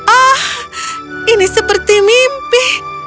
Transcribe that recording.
ah ini seperti mimpi